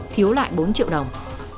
thiếu lại bốn triệu đồng